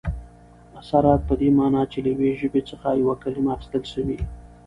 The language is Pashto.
اثرات په دې مانا، چي له یوې ژبي څخه یوه کلیمه اخستل سوې يي.